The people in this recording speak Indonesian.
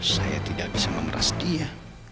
saya tidak bisa memeras dia